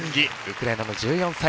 ウクライナの１４歳。